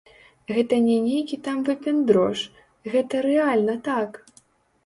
Гэта не нейкі там выпендрож, гэта рэальна так.